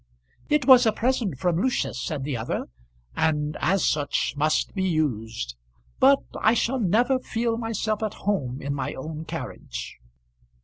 "It was a present from Lucius," said the other, "and as such must be used. But I shall never feel myself at home in my own carriage."